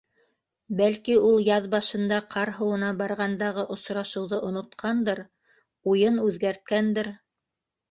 Бәлки, ул яҙ башында ҡар һыуына барғандағы осрашыуҙы онотҡандыр, уйын үҙгәрткәндер...